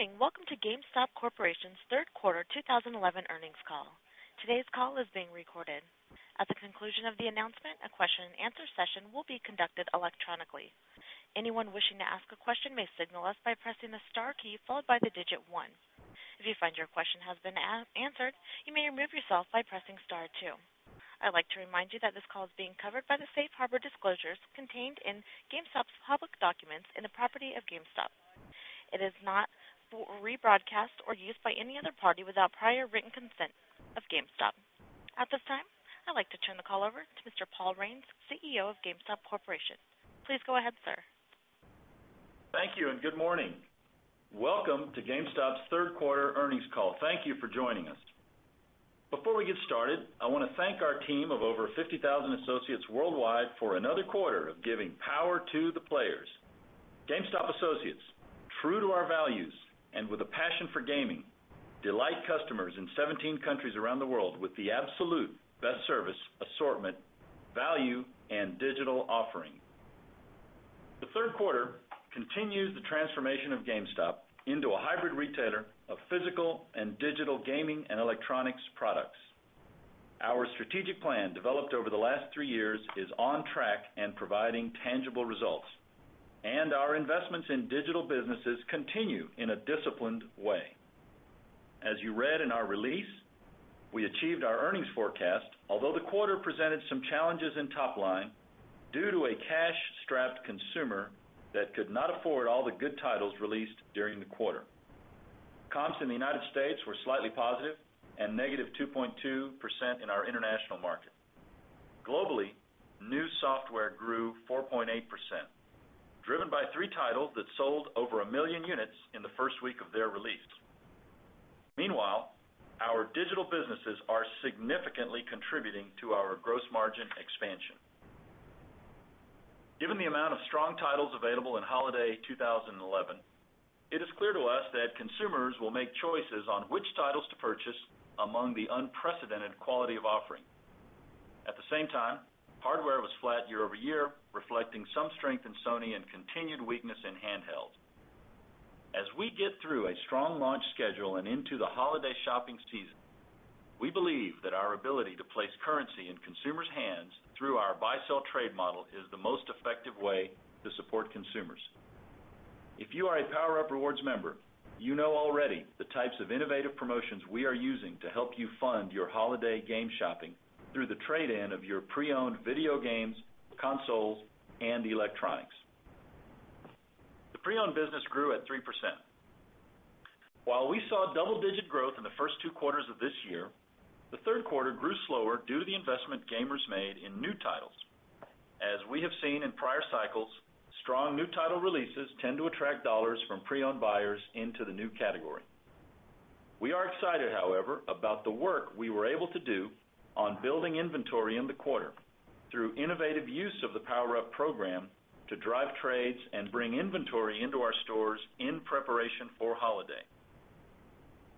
Good morning. Welcome to GameStop Corporation's Third Quarter 2011 Earnings Call. Today's call is being recorded. At the conclusion of the announcement, a question and answer session will be conducted electronically. Anyone wishing to ask a question may signal us by pressing the star key followed by the digit one. If you find your question has been answered, you may remove yourself by pressing star two. I'd like to remind you that this call is being covered by the safe harbor disclosures contained in GameStop's public documents and the property of GameStop. It is not to be rebroadcast or used by any other party without prior written consent of GameStop. At this time, I'd like to turn the call over to Mr. Paul Raines, CEO of GameStop Corporation. Please go ahead, sir. Thank you and good morning. Welcome to GameStop's Third Quarter Earnings Call. Thank you for joining us. Before we get started, I want to thank our team of over 50,000 associates worldwide for another quarter of giving power to the players. GameStop associates, true to our values and with a passion for gaming, delight customers in 17 countries around the world with the absolute best service, assortment, value, and digital offering. The third quarter continues the transformation of GameStop into a hybrid retailer of physical and digital gaming and electronics products. Our strategic plan developed over the last three years is on track and providing tangible results, and our investments in digital businesses continue in a disciplined way. As you read in our release, we achieved our earnings forecast, although the quarter presented some challenges in top line due to a cash-strapped consumer that could not afford all the good titles released during the quarter. Comps in the U.S. were slightly positive and -2.2% in our international market. Globally, new software grew 4.8%, driven by three titles that sold over a million units in the first week of their release. Meanwhile, our digital businesses are significantly contributing to our gross margin expansion. Given the amount of strong titles available in holiday 2011, it is clear to us that consumers will make choices on which titles to purchase among the unprecedented quality of offering. At the same time, hardware was flat year over year, reflecting some strength in Sony and continued weakness in handheld. As we get through a strong launch schedule and into the holiday shopping season, we believe that our ability to place currency in consumers' hands through our buy-sell-trade model is the most effective way to support consumers. If you are a PowerUp Rewards member, you know already the types of innovative promotions we are using to help you fund your holiday game shopping through the trade-in of your pre-owned video games, consoles, and electronics. The pre-owned business grew at 3%. While we saw double-digit growth in the first two quarters of this year, the third quarter grew slower due to the investment gamers made in new titles. As we have seen in prior cycles, strong new title releases tend to attract dollars from pre-owned buyers into the new category. We are excited, however, about the work we were able to do on building inventory in the quarter through innovative use of the PowerUp program to drive trades and bring inventory into our stores in preparation for holiday.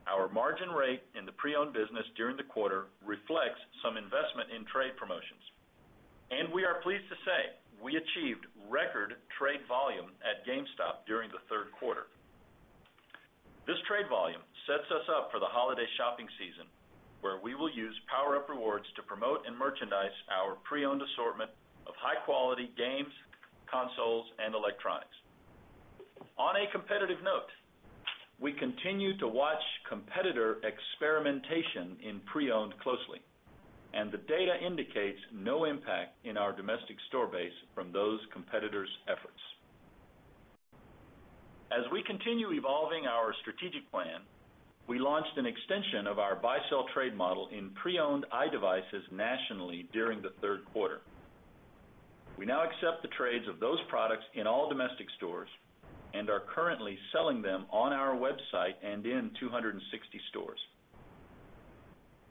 Our margin rate in the pre-owned business during the quarter reflects some investment in trade promotions, and we are pleased to say we achieved record trade volume at GameStop during the third quarter. This trade volume sets us up for the holiday shopping season, where we will use PowerUp Rewards to promote and merchandise our pre-owned assortment of high-quality games, consoles, and electronics. On a competitive note, we continue to watch competitor experimentation in pre-owned closely, and the data indicates no impact in our domestic store base from those competitors' efforts. As we continue evolving our strategic plan, we launched an extension of our buy-sell-trade ecosystem in pre-owned iDevices nationally during the third quarter. We now accept the trades of those products in all domestic stores and are currently selling them on our website and in 260 stores.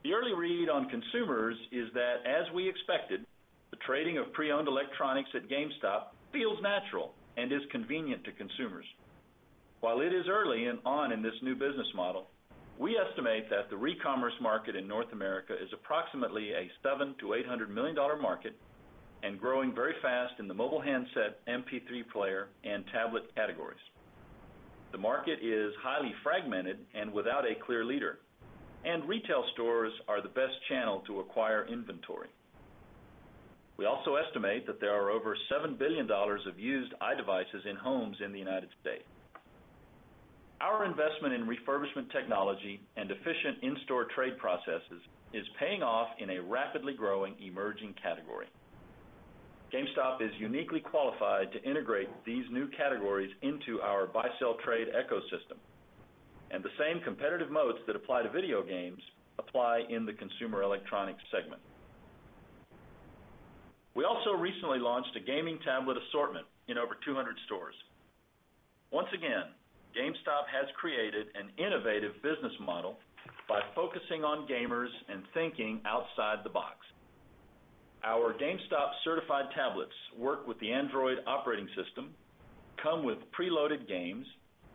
The early read on consumers is that, as we expected, the trading of pre-owned electronics at GameStop feels natural and is convenient to consumers. While it is early on in this new business model, we estimate that the re-commerce market in North America is approximately a $700 million-$800 million market and growing very fast in the mobile handset, MP3 player, and tablet categories. The market is highly fragmented and without a clear leader, and retail stores are the best channel to acquire inventory. We also estimate that there are over $7 billion of used iDevices in homes in the United States. Our investment in refurbishment technology and efficient in-store trade processes is paying off in a rapidly growing emerging category. GameStop is uniquely qualified to integrate these new categories into our buy-sell-trade ecosystem, and the same competitive moats that apply to video games apply in the consumer electronics segment. We also recently launched a gaming tablet assortment in over 200 stores. Once again, GameStop has created an innovative business model by focusing on gamers and thinking outside the box. Our GameStop-certified tablets work with the Android operating system, come with preloaded games,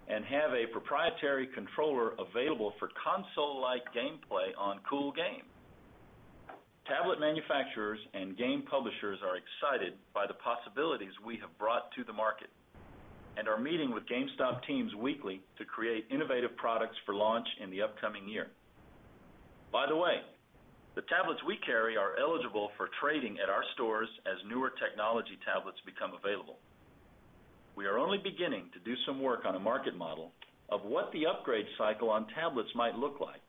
and have a proprietary controller available for console-like gameplay on cool game. Tablet manufacturers and game publishers are excited by the possibilities we have brought to the market and are meeting with GameStop teams weekly to create innovative products for launch in the upcoming year. By the way, the tablets we carry are eligible for trade-in at our stores as newer technology tablets become available. We are only beginning to do some work on a market model of what the upgrade cycle on tablets might look like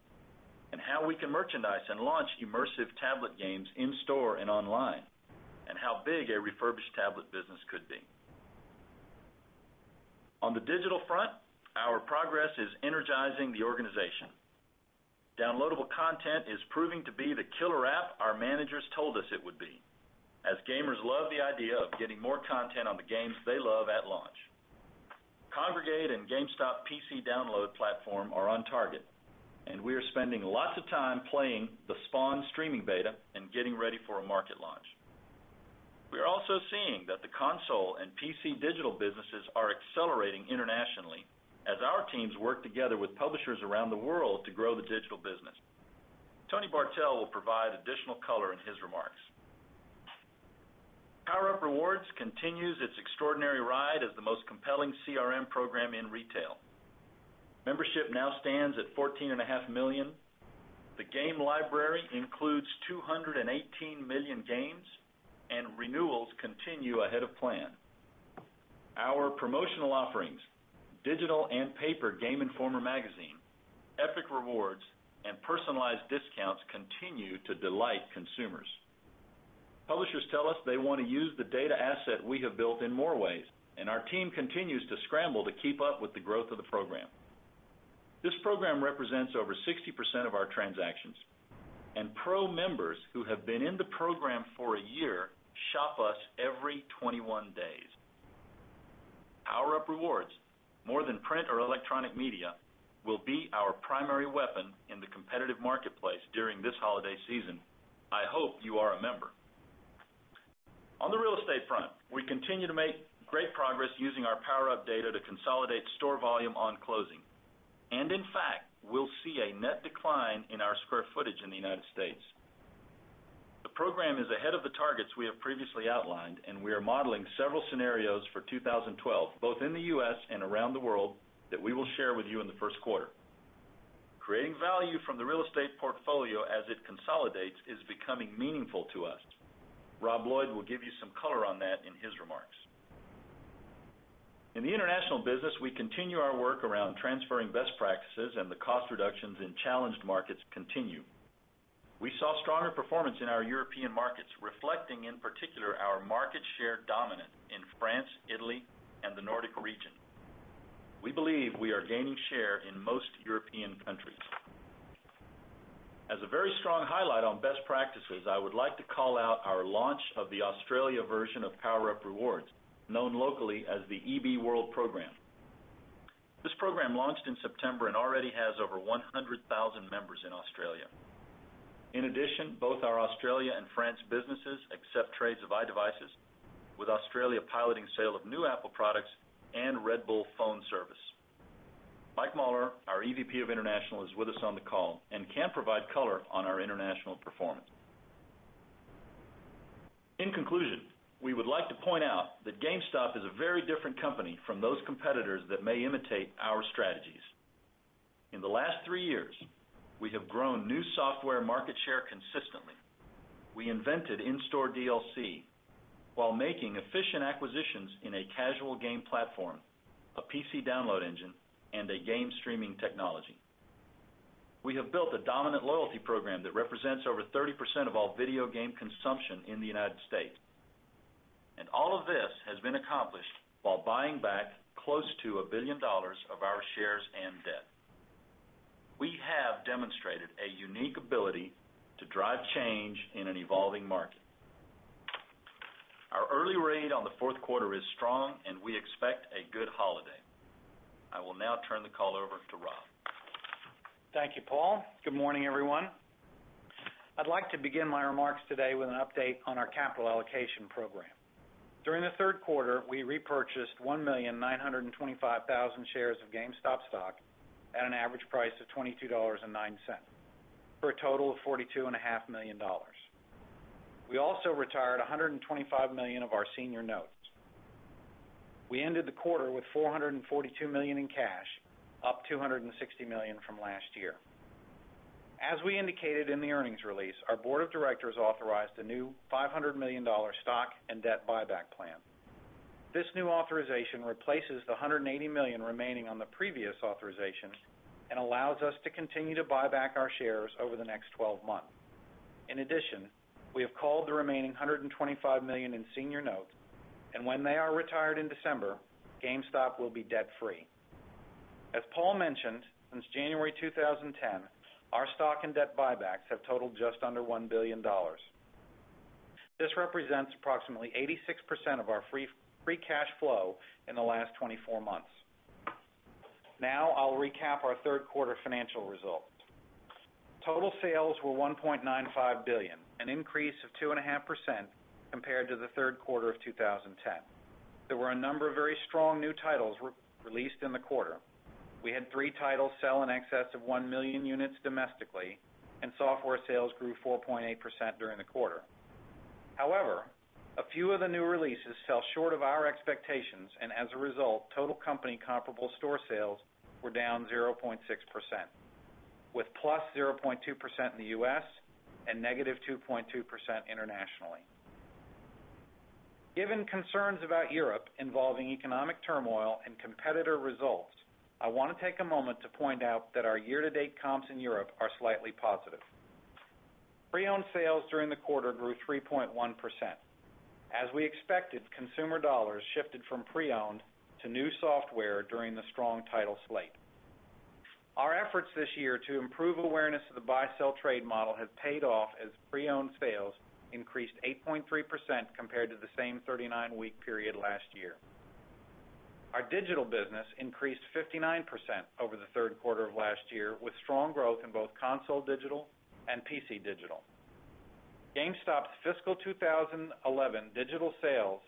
and how we can merchandise and launch immersive tablet games in-store and online, and how big a refurbished tablet business could be. On the digital front, our progress is energizing the organization. Downloadable content is proving to be the killer app our managers told us it would be, as gamers love the idea of getting more content on the games they love at launch. Kongregate and GameStop PC download platform are on target, and we are spending lots of time playing the Spawn streaming beta and getting ready for a market launch. We are also seeing that the console and PC digital businesses are accelerating internationally as our teams work together with publishers around the world to grow the digital business. Tony Bartel will provide additional color in his remarks. PowerUp Rewards continues its extraordinary ride as the most compelling CRM program in retail. Membership now stands at 14.5 million. The game library includes 218 million games, and renewals continue ahead of plan. Our promotional offerings, digital and paper Game Informer magazine, Epic Rewards, and personalized discounts continue to delight consumers. Publishers tell us they want to use the data asset we have built in more ways, and our team continues to scramble to keep up with the growth of the program. This program represents over 60% of our transactions, and Pro members who have been in the program for a year shop us every 21 days. PowerUp Rewards, more than print or electronic media, will be our primary weapon in the competitive marketplace during this holiday season. I hope you are a member. On the real estate front, we continue to make great progress using our PowerUp data to consolidate store volume on closing, and in fact, we'll see a net decline in our square footage in the U.S. The program is ahead of the targets we have previously outlined, and we are modeling several scenarios for 2012, both in the U.S. and around the world that we will share with you in the first quarter. Creating value from the real estate portfolio as it consolidates is becoming meaningful to us. Rob Lloyd will give you some color on that in his remarks. In the international business, we continue our work around transferring best practices, and the cost reductions in challenged markets continue. We saw stronger performance in our European markets, reflecting in particular our market share dominance in France, Italy, and the Nordic region. We believe we are gaining share in most European countries. As a very strong highlight on best practices, I would like to call out our launch of the Australia version of PowerUp Rewards, known locally as the EB World program. This program launched in September and already has over 100,000 members in Australia. In addition, both our Australia and France businesses accept trades of iDevices, with Australia piloting sale of new Apple products and Red Bull phone service. Mike Mauler, our EVP of International, is with us on the call and can provide color on our international performance. In conclusion, we would like to point out that GameStop is a very different company from those competitors that may imitate our strategies. In the last three years, we have grown new software market share consistently. We invented in-store DLC while making efficient acquisitions in a casual game platform, a PC download engine, and a game streaming technology. We have built a dominant loyalty program that represents over 30% of all video game consumption in the United States, and all of this has been accomplished while buying back close to $1 billion of our shares and debt. We have demonstrated a unique ability to drive change in an evolving market. Our early read on the fourth quarter is strong, and we expect a good holiday. I will now turn the call over to Rob. Thank you, Paul. Good morning, everyone. I'd like to begin my remarks today with an update on our capital allocation program. During the third quarter, we repurchased 1,925,000 shares of GameStop stock at an average price of $22.09 for a total of $42.5 million. We also retired $125 million of our senior notes. We ended the quarter with $442 million in cash, up $260 million from last year. As we indicated in the earnings release, our board of directors authorized a new $500 million stock and debt buyback plan. This new authorization replaces the $180 million remaining on the previous authorizations and allows us to continue to buy back our shares over the next 12 months. In addition, we have called the remaining $125 million in senior notes, and when they are retired in December, GameStop will be debt-free. As Paul mentioned, since January 2010, our stock and debt buybacks have totaled just under $1 billion. This represents approximately 86% of our free cash flow in the last 24 months. Now, I'll recap our third quarter financial results. Total sales were $1.95 billion, an increase of 2.5% compared to the third quarter of 2010. There were a number of very strong new titles released in the quarter. We had three titles sell in excess of 1 million units domestically, and software sales grew 4.8% during the quarter. However, a few of the new releases fell short of our expectations, and as a result, total company comparable store sales were down 0.6%, with +0.2% in the U.S. and -2.2% internationally. Given concerns about Europe involving economic turmoil and competitor results, I want to take a moment to point out that our year-to-date comps in Europe are slightly positive. Pre-owned sales during the quarter grew 3.1%. As we expected, consumer dollars shifted from pre-owned to new software during the strong title slate. Our efforts this year to improve awareness of the buy-sell-trade ecosystem have paid off as pre-owned sales increased 8.3% compared to the same 39-week period last year. Our digital business increased 59% over the third quarter of last year, with strong growth in both console digital and PC digital. GameStop's fiscal 2011 digital sales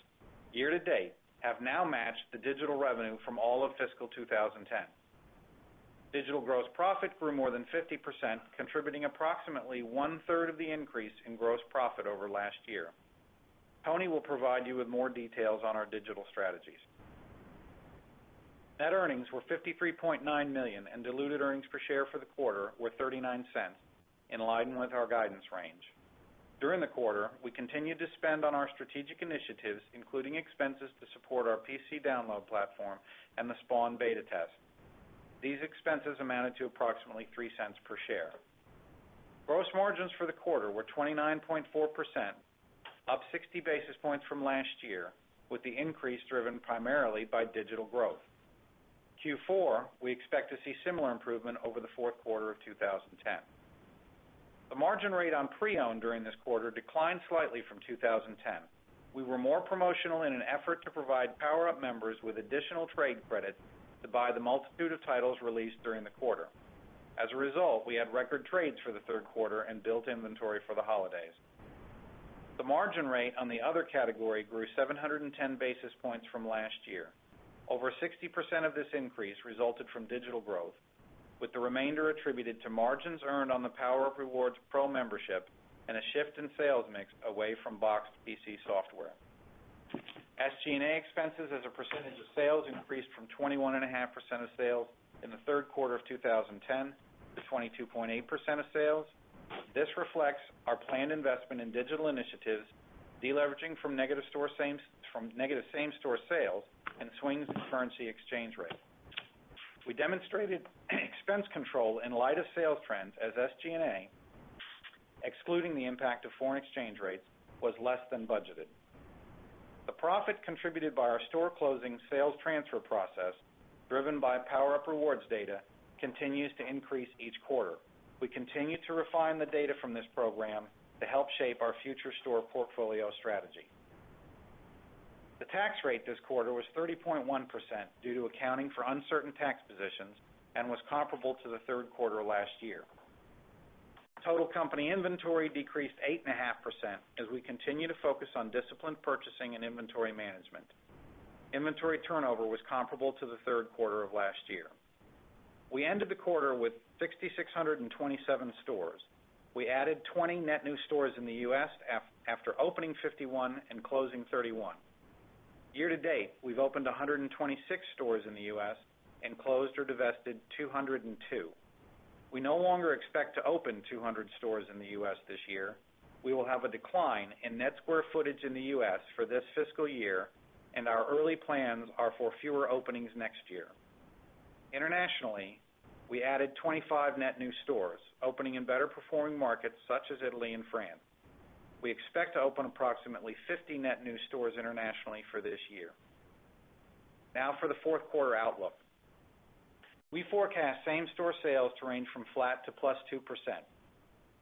year-to-date have now matched the digital revenue from all of fiscal 2010. Digital gross profit grew more than 50%, contributing approximately one-third of the increase in gross profit over last year. Tony will provide you with more details on our digital strategies. Net earnings were $53.9 million, and diluted earnings per share for the quarter were $0.39, in line with our guidance range. During the quarter, we continued to spend on our strategic initiatives, including expenses to support our PC download platform and the Spawn beta test. These expenses amounted to approximately $0.03 per share. Gross margins for the quarter were 29.4%, up 60 basis points from last year, with the increase driven primarily by digital growth. In Q4, we expect to see similar improvement over the fourth quarter of 2010. The margin rate on pre-owned during this quarter declined slightly from 2010. We were more promotional in an effort to provide PowerUp members with additional trade credits to buy the multitude of titles released during the quarter. As a result, we had record trades for the third quarter and built inventory for the holidays. The margin rate on the other category grew 710 basis points from last year. Over 60% of this increase resulted from digital growth, with the remainder attributed to margins earned on the PowerUp Rewards Pro membership and a shift in sales mix away from boxed PC software. SG&A expenses as a percentage of sales increased from 21.5% of sales in the third quarter of 2010 to 22.8% of sales. This reflects our planned investment in digital initiatives, deleveraging from negative same-store sales and swings in currency exchange rates. We demonstrated expense control in light of sales trends, as SG&A, excluding the impact of foreign exchange rates, was less than budgeted. The profit contributed by our store closing sales transfer process, driven by PowerUp Rewards data, continues to increase each quarter. We continue to refine the data from this program to help shape our future store portfolio strategy. The tax rate this quarter was 30.1% due to accounting for uncertain tax positions and was comparable to the third quarter last year. Total company inventory decreased 8.5% as we continue to focus on disciplined purchasing and inventory management. Inventory turnover was comparable to the third quarter of last year. We ended the quarter with 6,627 stores. We added 20 net new stores in the U.S. after opening 51 and closing 31. Year-to-date, we've opened 126 stores in the U.S. and closed or divested 202. We no longer expect to open 200 stores in the U.S. this year. We will have a decline in net square footage in the U.S. for this fiscal year, and our early plans are for fewer openings next year. Internationally, we added 25 net new stores, opening in better-performing markets such as Italy and France. We expect to open approximately 50 net new stores internationally for this year. Now for the fourth quarter outlook. We forecast same-store sales to range from flat to +2%.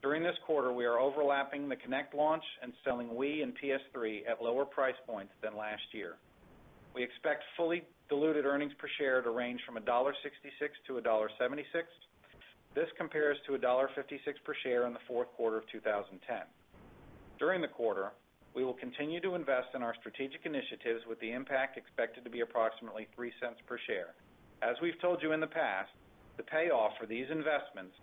During this quarter, we are overlapping the Kinect launch and selling Wii and PS3 at lower price points than last year. We expect fully diluted earnings per share to range from $1.66-$1.76. This compares to $1.56 per share in the fourth quarter of 2010. During the quarter, we will continue to invest in our strategic initiatives with the impact expected to be approximately $0.03 per share. As we've told you in the past, the payoff for these investments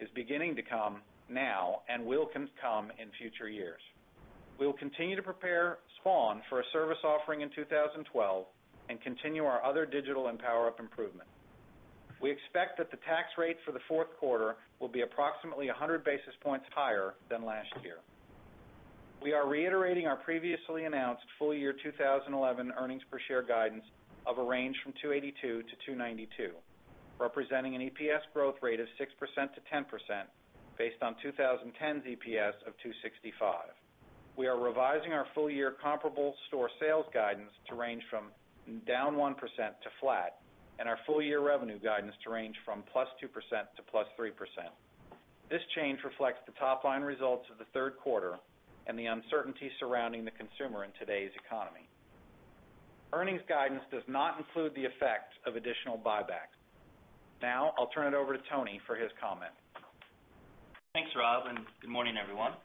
is beginning to come now and will come in future years. We'll continue to prepare Spawn for a service offering in 2012 and continue our other digital and PowerUp improvement. We expect that the tax rates for the fourth quarter will be approximately 100 basis points higher than last year. We are reiterating our previously announced full-year 2011 earnings per share guidance of a range from $2.82-$2.92, representing an EPS growth rate of 6% to 10% based on 2010's EPS of $2.65. We are revising our full-year comparable store sales guidance to range from down 1% to flat, and our full-year revenue guidance to range from +2% to +3%. This change reflects the top-line results of the third quarter and the uncertainty surrounding the consumer in today's economy. Earnings guidance does not include the effect of additional buybacks. Now, I'll turn it over to Tony for his comment. Thanks, Rob, and good morning, everyone.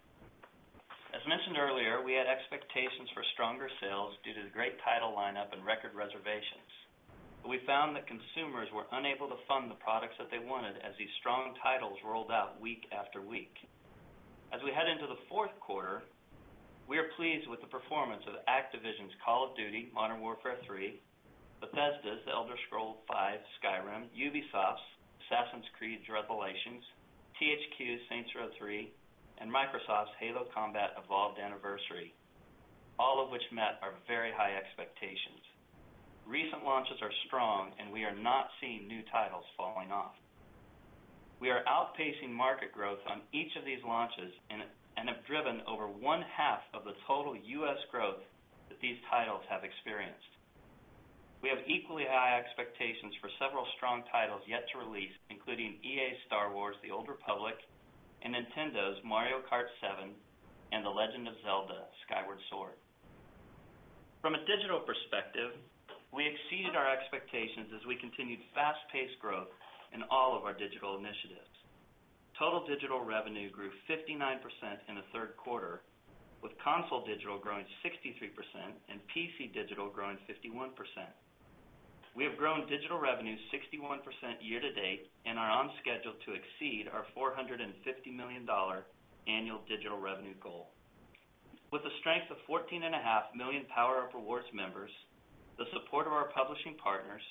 As mentioned earlier, we had expectations for stronger sales due to the great title lineup and record reservations. We found that consumers were unable to fund the products that they wanted as these strong titles rolled out week after week. As we head into the fourth quarter, we are pleased with the performance of Activision's Call of Duty: Modern Warfare 3, Bethesda's Elder Scrolls V: Skyrim, Ubisoft's Assassin's Creed: Revelations, THQ's Saints Row 3, and Microsoft's Halo Combat Evolved Anniversary, all of which met our very high expectations. Recent launches are strong, and we are not seeing new titles falling off. We are outpacing market growth on each of these launches and have driven over one-half of the total U.S. growth that these titles have experienced. We have equally high expectations for several strong titles yet to release, including EA's Star Wars: The Old Republic and Nintendo's Mario Kart 7 and The Legend of Zelda: Skyward Sword. From a digital perspective, we exceeded our expectations as we continued fast-paced growth in all of our digital initiatives. Total digital revenue grew 59% in the third quarter, with console digital growing 63% and PC digital growing 51%. We have grown digital revenue 61% year-to-date and are on schedule to exceed our $450 million annual digital revenue goal. With the strength of 14.5 million PowerUp Rewards members, the support of our publishing partners,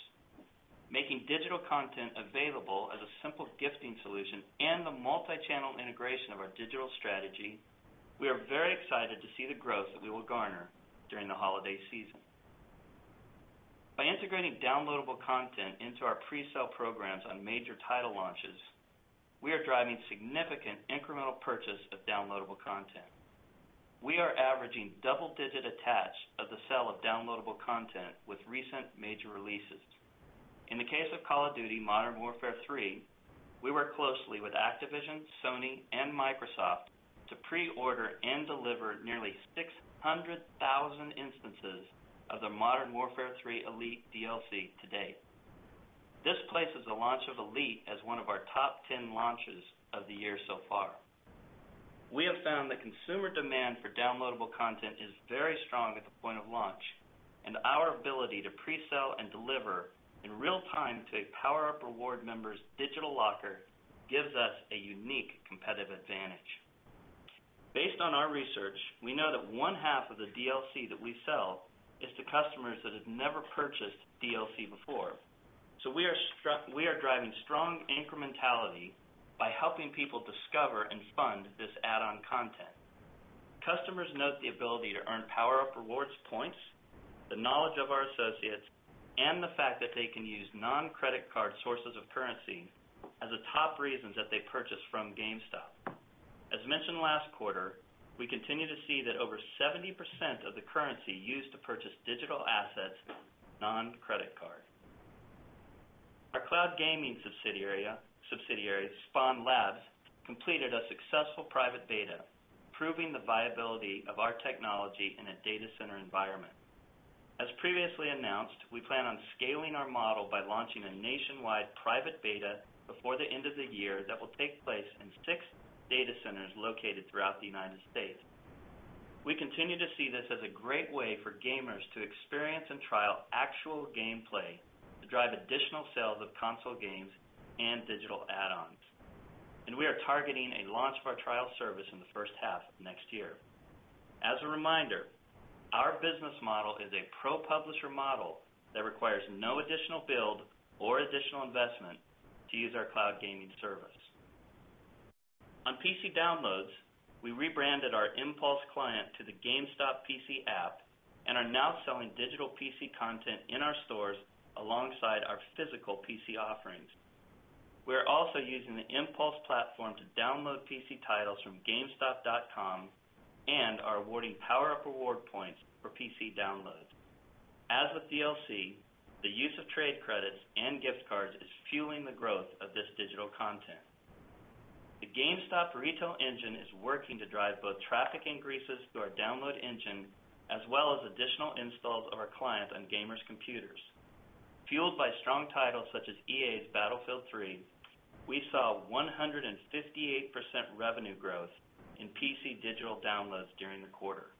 making digital content available as a simple gifting solution, and the multi-channel integration of our digital strategy, we are very excited to see the growth that we will garner during the holiday season. By integrating downloadable content into our pre-sale programs on major title launches, we are driving significant incremental purchase of downloadable content. We are averaging double-digit attach of the sale of downloadable content with recent major releases. In the case of Call of Duty: Modern Warfare 3, we work closely with Activision, Sony, and Microsoft to pre-order and deliver nearly 600,000 instances of the Modern Warfare 3 Elite DLC to date. This places the launch of Elite as one of our top 10 launches of the year so far. We have found that consumer demand for downloadable content is very strong at the point of launch, and our ability to pre-sell and deliver in real time to a PowerUp Rewards member's digital locker gives us a unique competitive advantage. Based on our research, we know that one-half of the DLC that we sell is to customers that have never purchased DLC before. We are driving strong incrementality by helping people discover and fund this add-on content. Customers note the ability to earn PowerUp Rewards points, the knowledge of our associates, and the fact that they can use non-credit card sources of currency as the top reasons that they purchase from GameStop. As mentioned last quarter, we continue to see that over 70% of the currency used to purchase digital assets is non-credit card. Our cloud gaming subsidiaries, Spawn Labs, completed a successful private beta, proving the viability of our technology in a data center environment. As previously announced, we plan on scaling our model by launching a nationwide private beta before the end of the year that will take place in six data centers located throughout the U.S. We continue to see this as a great way for gamers to experience and trial actual gameplay to drive additional sales of console games and digital add-ons. We are targeting a launch of our trial service in the first half of next year. As a reminder, our business model is a pro-publisher model that requires no additional build or additional investment to use our cloud gaming service. On PC downloads, we rebranded our Impulse client to the GameStop PC app and are now selling digital PC content in our stores alongside our physical PC offerings. We're also using the Impulse platform to download PC titles from GameStop.com and are awarding PowerUp Rewards points for PC downloads. As with DLC, the use of trade credits and gift cards is fueling the growth of this digital content. The GameStop retail engine is working to drive both traffic increases through our download engine as well as additional installs of our client on gamers' computers. Fueled by strong titles such as EA's Battlefield 3, we saw 158% revenue growth in PC digital downloads during the quarter.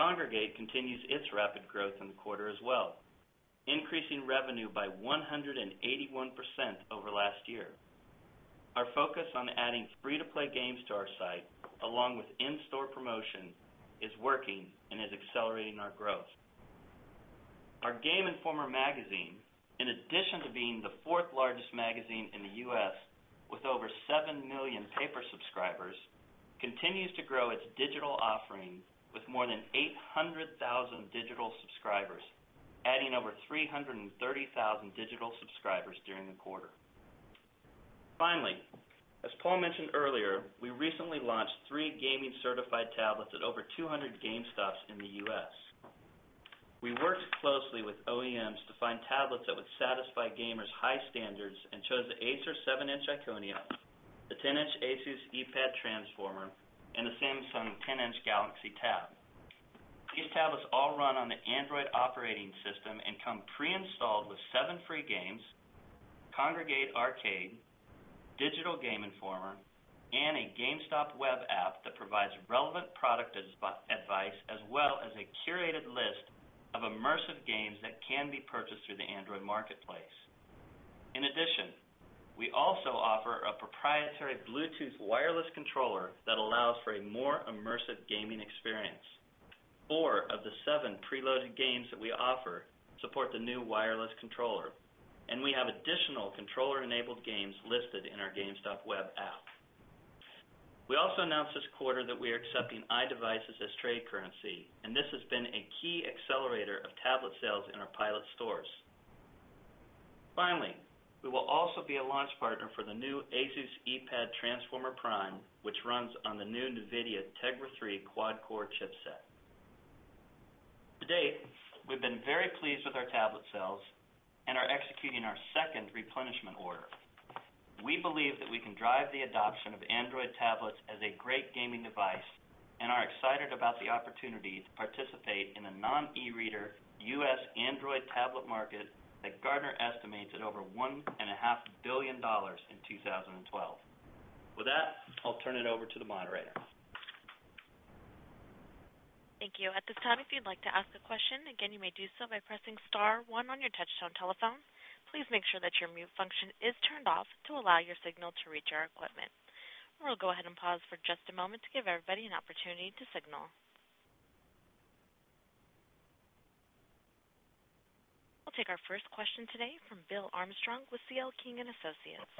Kongregate continues its rapid growth in the quarter as well, increasing revenue by 181% over last year. Our focus on adding free-to-play games to our site, along with in-store promotion, is working and is accelerating our growth. Our Game Informer magazine, in addition to being the fourth largest magazine in the U.S. with over 7 million paper subscribers, continues to grow its digital offering with more than 800,000 digital subscribers, adding over 330,000 digital subscribers during the quarter. Finally, as Paul mentioned earlier, we recently launched three gaming-certified tablets at over 200 GameStop stores in the U.S. We worked closely with OEMs to find tablets that would satisfy gamers' high standards and chose the Acer 7-inch ICONIA, the 10-inch ASUS Eee Pad transformer, and the Samsung 10-inch Galaxy tab. These tablets all run on the Android operating system and come pre-installed with seven free games: Kongregate Arcade, digital Game Informer, and a GameStop web app that provides relevant product advice, as well as a curated list of immersive games that can be purchased through the Android marketplace. In addition, we also offer a proprietary Bluetooth wireless controller that allows for a more immersive gaming experience. Four of the seven preloaded games that we offer support the new wireless controller, and we have additional controller-enabled games listed in our GameStop web app. We also announced this quarter that we are accepting iDevices as trade currency, and this has been a key accelerator of tablet sales in our pilot stores. Finally, we will also be a launch partner for the new ASUS E-Pad Transformer Prime, which runs on the new NVIDIA Tegra 3 quad-qore chipset. To date, we've been very pleased with our tablet sales and are executing our second replenishment order. We believe that we can drive the adoption of Android tablets as a great gaming device and are excited about the opportunity to participate in a non-e-reader U.S. Android tablet market that Gartner estimates at over $1.5 billion in 2012. With that, I'll turn it over to the moderator. Thank you. At this time, if you'd like to ask a question, again, you may do so by pressing star one on your touch-tone telephone. Please make sure that your mute function is turned off to allow your signal to reach our equipment. We'll go ahead and pause for just a moment to give everybody an opportunity to signal. We'll take our first question today from Bill Armstrong with C.L. King and Associates.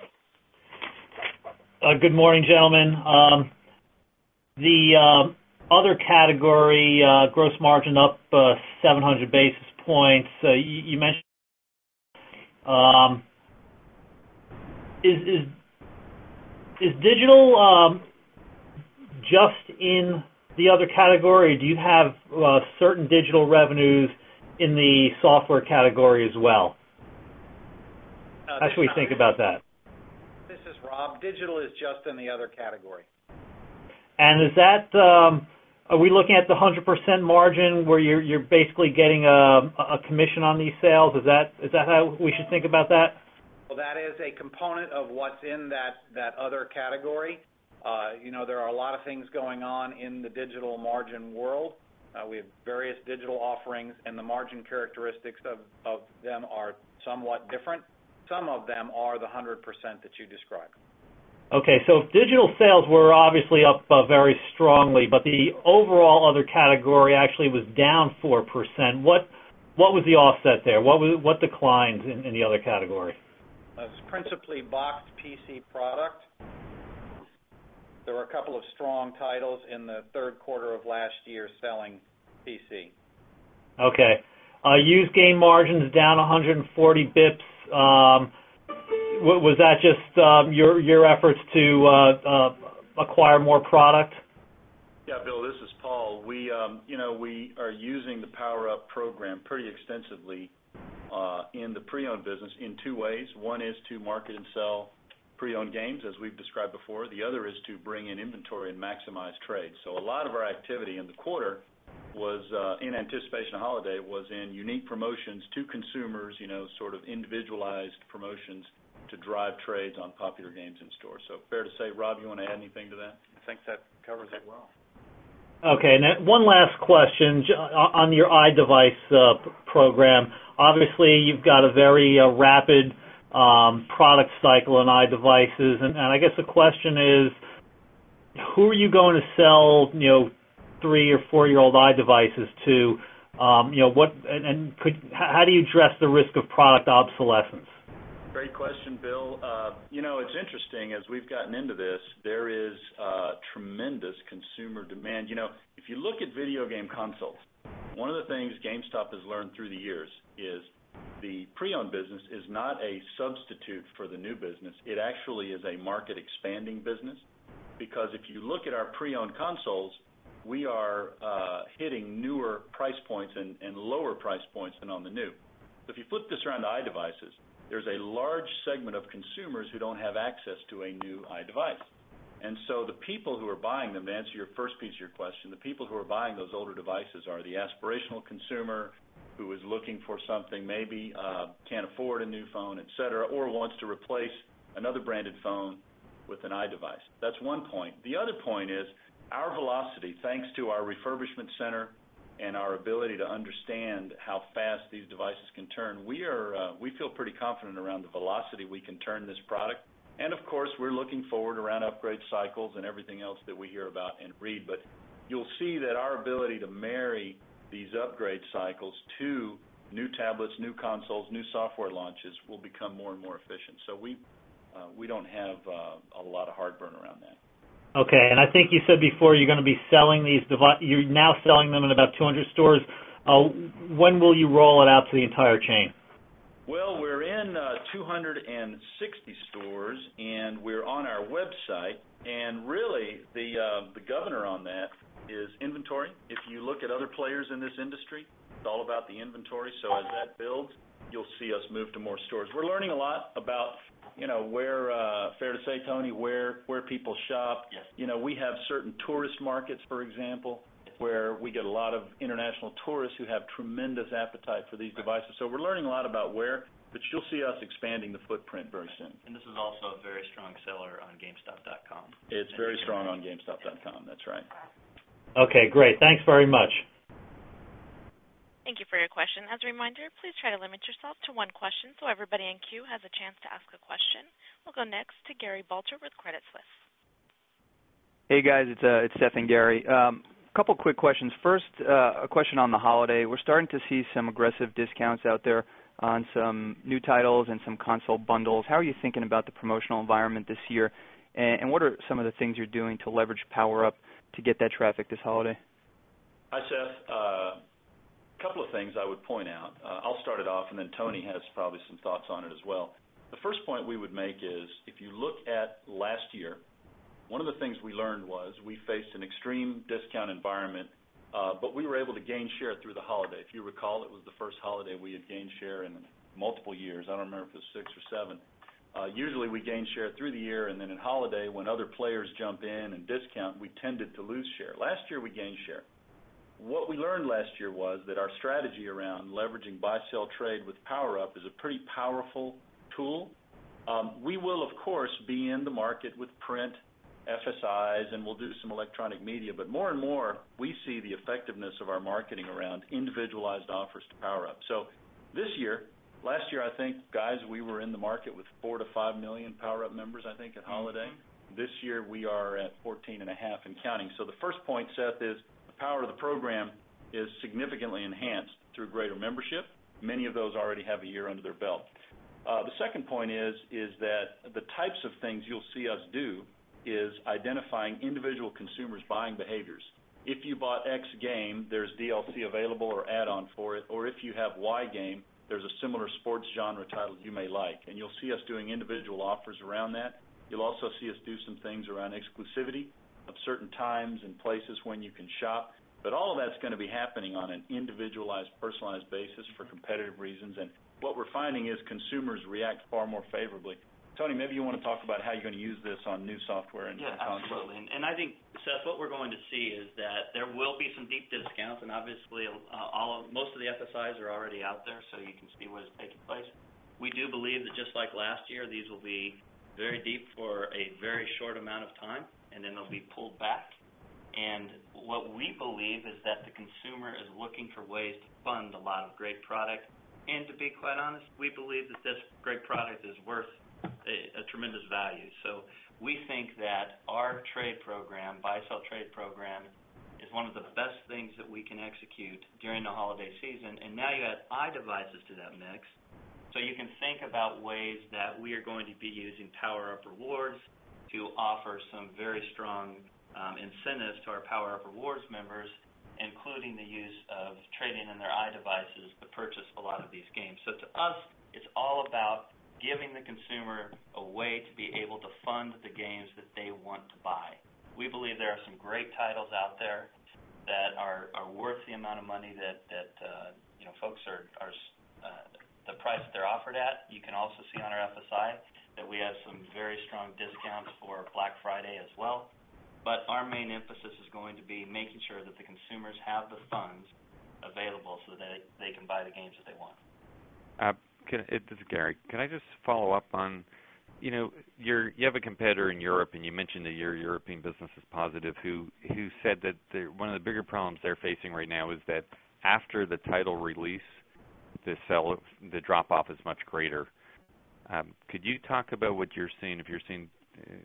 Good morning, gentlemen. The other category, gross margin up 700 basis points. You mentioned, is digital just in the other category? Do you have certain digital revenues in the software category as well? How should we think about that? This is Rob. Digital is just in the other category. Are we looking at the 100% margin where you're basically getting a commission on these sales? Is that how we should think about that? That is a component of what's in that other category. You know, there are a lot of things going on in the digital margin world. We have various digital offerings, and the margin characteristics of them are somewhat different. Some of them are the 100% that you described. Okay. If digital sales were obviously up very strongly, but the overall other category actually was down 4%, what was the offset there? What declined in the other categories? It was principally boxed PC product. There were a couple of strong titles in the third quarter of last year selling PC. Okay. Used game margins down 140 basis points. Was that just your efforts to acquire more product? Yeah, Bill, this is Paul. We are using the PowerUp Rewards program pretty extensively in the pre-owned business in two ways. One is to market and sell pre-owned games, as we've described before. The other is to bring in inventory and maximize trades. A lot of our activity in the quarter was in anticipation of holiday, in unique promotions to consumers, sort of individualized promotions to drive trades on popular games in stores. Fair to say, Rob, you want to add anything to that? I think that covers it well. Okay. One last question on your iDevice program. Obviously, you've got a very rapid product cycle on iDevices. I guess the question is, who are you going to sell, you know, three or four-year-old iDevices to? You know, what and how do you address the risk of product obsolescence? Great question, Bill. You know, it's interesting, as we've gotten into this, there is tremendous consumer demand. If you look at video game consoles, one of the things GameStop has learned through the years is the pre-owned business is not a substitute for the new business. It actually is a market-expanding business because if you look at our pre-owned consoles, we are hitting newer price points and lower price points than on the new. If you flip this around to iDevices, there's a large segment of consumers who don't have access to a new iDevice. The people who are buying them, to answer your first piece of your question, the people who are buying those older devices are the aspirational consumer who is looking for something, maybe can't afford a new phone, etc., or wants to replace another branded phone with an iDevice. That's one point. The other point is our velocity, thanks to our refurbishment center and our ability to understand how fast these devices can turn, we feel pretty confident around the velocity we can turn this product. Of course, we're looking forward around upgrade cycles and everything else that we hear about and read, but you'll see that our ability to marry these upgrade cycles to new tablets, new consoles, new software launches will become more and more efficient. We don't have a lot of heartburn around that. Okay. I think you said before you're going to be selling these, you're now selling them in about 200 stores. When will you roll it out to the entire chain? We are in 260 stores and we are on our website. The governor on that is inventory. If you look at other players in this industry, it is all about the inventory. As that builds, you will see us move to more stores. We are learning a lot about, you know, where, fair to say, Tony, where people shop. We have certain tourist markets, for example, where we get a lot of international tourists who have tremendous appetite for these devices. We are learning a lot about where, but you will see us expanding the footprint very soon. This is also a very strong seller on GameStop.com. It's very strong on GameStop.com. That's right. Okay, great. Thanks very much. Thank you for your question. As a reminder, please try to limit yourself to one question so everybody in queue has a chance to ask a question. We'll go next to Gary Balter with Credit Suisse. Hey guys, it's Seth and Gary. A couple of quick questions. First, a question on the holiday. We're starting to see some aggressive discounts out there on some new titles and some console bundles. How are you thinking about the promotional environment this year? What are some of the things you're doing to leverage PowerUp to get that traffic this holiday? Hi Seth. A couple of things I would point out. I'll start it off and then Tony has probably some thoughts on it as well. The first point we would make is if you look at last year, one of the things we learned was we faced an extreme discount environment, but we were able to gain share through the holiday. If you recall, it was the first holiday we had gained share in multiple years. I don't remember if it was six or seven. Usually, we gain share through the year and then in holiday when other players jump in and discount, we tended to lose share. Last year, we gained share. What we learned last year was that our strategy around leveraging buy-sell-trade with PowerUp is a pretty powerful tool. We will, of course, be in the market with print, FSIs, and we'll do some electronic media, but more and more we see the effectiveness of our marketing around individualized offers to PowerUp. This year, last year, I think, guys, we were in the market with four to five million PowerUp members, I think, at holiday. This year, we are at 14.5 million and counting. The first point, Seth, is the power of the program is significantly enhanced through greater membership. Many of those already have a year under their belt. The second point is that the types of things you'll see us do is identifying individual consumers' buying behaviors. If you bought X game, there's DLC available or add-on for it, or if you have Y game, there's a similar sports genre title you may like. You'll see us doing individual offers around that. You'll also see us do some things around exclusivity of certain times and places when you can shop. All of that's going to be happening on an individualized, personalized basis for competitive reasons. What we're finding is consumers react far more favorably. Tony, maybe you want to talk about how you're going to use this on new software and console. Yeah, absolutely. I think, Seth, what we're going to see is that there will be some deep discounts. Obviously, most of the FSIs are already out there, so you can see what takes place. We do believe that just like last year, these will be very deep for a very short amount of time, and then they'll be pulled back. We believe that the consumer is looking for ways to fund a lot of great product. To be quite honest, we believe that this great product is worth a tremendous value. We think that our trade program, buy-sell-trade program, is one of the best things that we can execute during the holiday season. Now you add iDevices to that mix. You can think about ways that we are going to be using PowerUp Rewards to offer some very strong incentives to our PowerUp Rewards members, including the use of trading in their iDevices to purchase a lot of these games. To us, it's all about giving the consumer a way to be able to fund the games that they want to buy. We believe there are some great titles out there that are worth the amount of money that folks are, the price that they're offered at. You can also see on our FSI that we have some very strong discounts for Black Friday as well. Our main emphasis is going to be making sure that the consumers have the funds available so that they can buy the games that they want. This is Gary. Can I just follow up on, you know, you have a competitor in Europe, and you mentioned that your European business is positive, who said that one of the bigger problems they're facing right now is that after the title release, the drop-off is much greater. Could you talk about what you're seeing? If you're seeing,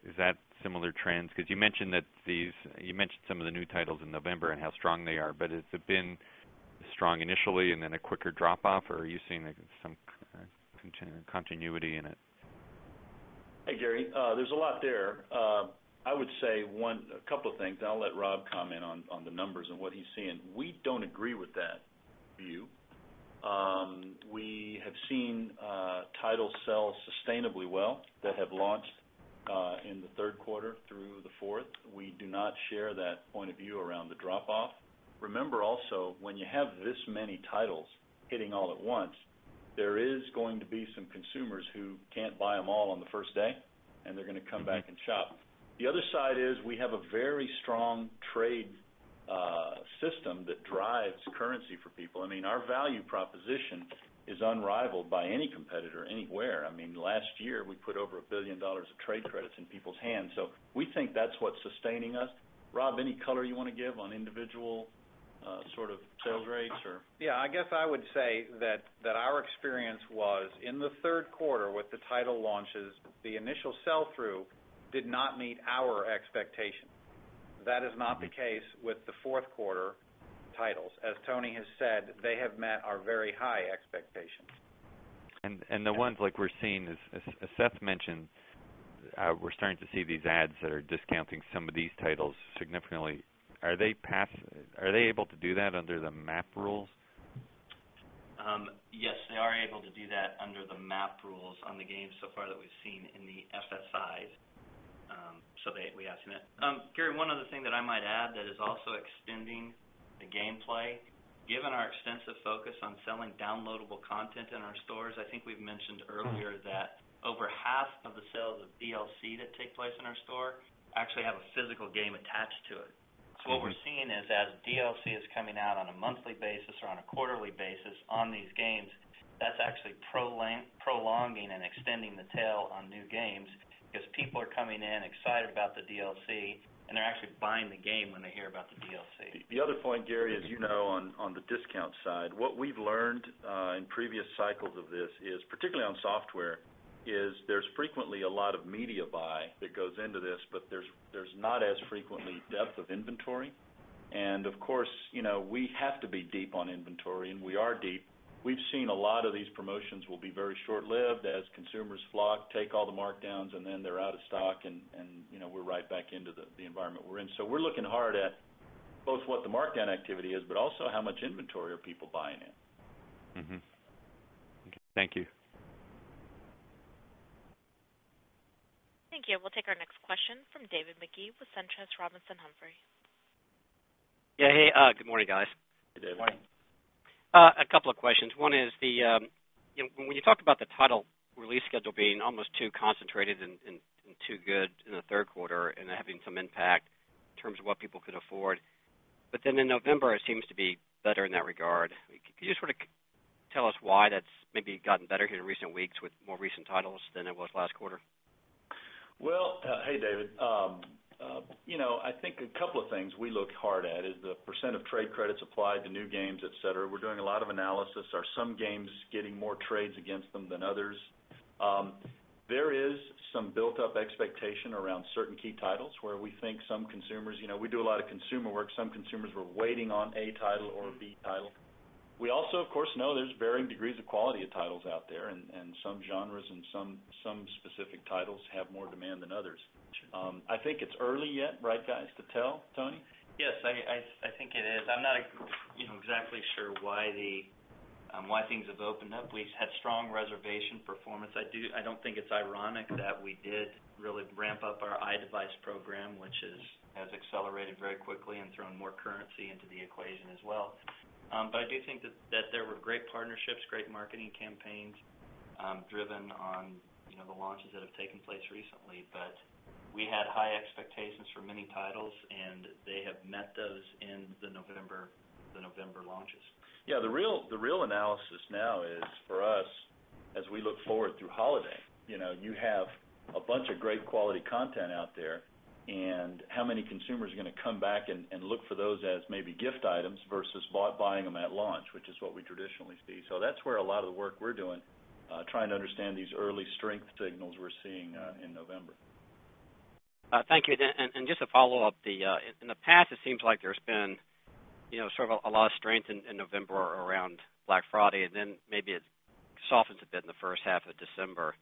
is that similar trends? You mentioned some of the new titles in November and how strong they are, but has it been strong initially and then a quicker drop-off, or are you seeing some continuity in it? Hey Gary, there's a lot there. I would say a couple of things, and I'll let Rob comment on the numbers and what he's seeing. We don't agree with that view. We have seen titles sell sustainably well that have launched in the third quarter through the fourth. We do not share that point of view around the drop-off. Remember also, when you have this many titles hitting all at once, there is going to be some consumers who can't buy them all on the first day, and they're going to come back and shop. The other side is we have a very strong trade system that drives currency for people. I mean, our value proposition is unrivaled by any competitor anywhere. I mean, last year we put over $1 billion of trade credits in people's hands. We think that's what's sustaining us. Rob, any color you want to give on individual sort of sales rates or? Yeah, I guess I would say that our experience was in the third quarter with the title launches, the initial sell-through did not meet our expectation. That is not the case with the fourth quarter titles. As Tony has said, they have met our very high expectations. As Seth mentioned, we're starting to see these ads that are discounting some of these titles significantly. Are they able to do that under the MAP rules? Yes, they are able to do that under the MAP rules on the games so far that we've seen in the FSIs. We have seen that. Gary, one other thing that I might add that is also extending the gameplay, given our extensive focus on selling downloadable content in our stores, I think we've mentioned earlier that over half of the sales of DLC that take place in our store actually have a physical game attached to it. What we're seeing is as DLC is coming out on a monthly basis or on a quarterly basis on these games, that's actually prolonging and extending the tail on new games because people are coming in excited about the DLC and they're actually buying the game when they hear about the DLC. The other point, Gary, as you know, on the discount side, what we've learned in previous cycles of this, particularly on software, is there's frequently a lot of media buy that goes into this, but there's not as frequently depth of inventory. Of course, we have to be deep on inventory and we are deep. We've seen a lot of these promotions will be very short-lived as consumers flock, take all the markdowns, and then they're out of stock and we're right back into the environment we're in. We are looking hard at both what the markdown activity is, but also how much inventory are people buying in. Okay, thank you. Thank you. We'll take our next question from David Magee with Suntrust Robinson Humphrey. Yeah, hey, good morning guys. Good morning. A couple of questions. One is, when you talk about the title release schedule being almost too concentrated and too good in the third quarter and having some impact in terms of what people could afford, but then in November it seems to be better in that regard. Could you sort of tell us why that's maybe gotten better here in recent weeks with more recent titles than it was last quarter? Hey David, I think a couple of things we look hard at is the percent of trade credits applied to new games, etc. We're doing a lot of analysis. Are some games getting more trades against them than others? There is some built-up expectation around certain key titles where we think some consumers, you know, we do a lot of consumer work. Some consumers were waiting on A title or a B title. We also, of course, know there's varying degrees of quality of titles out there, and some genres and some specific titles have more demand than others. I think it's early yet, right guys, to tell, Tony? Yes, I think it is. I'm not exactly sure why things have opened up. We've had strong reservation performance. I don't think it's ironic that we did really ramp up our iDevice program, which has accelerated very quickly and thrown more currency into the equation as well. I do think that there were great partnerships, great marketing campaigns driven on the launches that have taken place recently. We had high expectations for many titles and they have met those in the November launches. Yeah, the real analysis now is for us, as we look forward through holiday, you know, you have a bunch of great quality content out there, and how many consumers are going to come back and look for those as maybe gift items versus buying them at launch, which is what we traditionally see. That's where a lot of the work we're doing, trying to understand these early strength signals we're seeing in November. Thank you. Just to follow up, in the past, it seems like there's been a lot of strength in November around Black Friday, and then maybe it softens a bit in the first half of December.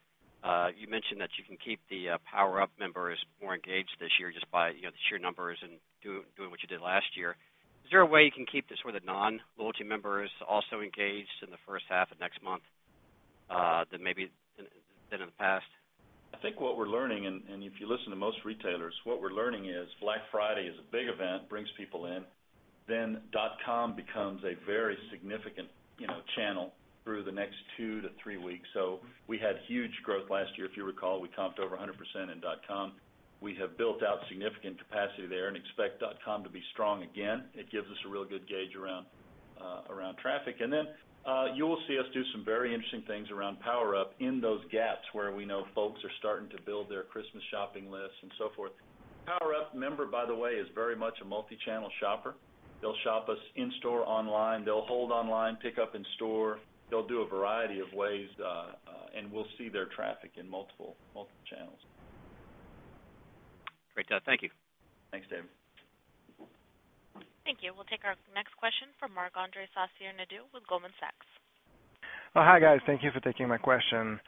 You mentioned that you can keep the PowerUp Rewards members more engaged this year just by the sheer numbers and doing what you did last year. Is there a way you can keep the sort of non-loyalty members also engaged in the first half of next month than maybe in the past? I think what we're learning, and if you listen to most retailers, what we're learning is Black Friday is a big event, brings people in, then dotcom becomes a very significant channel through the next two to three weeks. We had huge growth last year. If you recall, we comped over 100% in dotcom. We have built out significant capacity there and expect dotcom to be strong again. It gives us a real good gauge around traffic. You'll see us do some very interesting things around PowerUp in those gaps where we know folks are starting to build their Christmas shopping lists and so forth. PowerUp member, by the way, is very much a multi-channel shopper. They'll shop us in-store, online. They'll hold online, pick up in-store. They'll do a variety of ways and we'll see their traffic in multiple channels. Great, thank you. Thanks, David. Thank you. We'll take our next question from Mark-André Saucier-Nadeau with Goldman Sachs. Hi guys, thank you for taking my question.